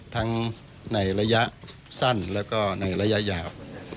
ทั้งในระยะสั้นแล้วก็ในระยะยาว